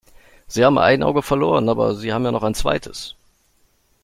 Sie haben ein Auge verloren, aber Sie haben ja noch ein zweites!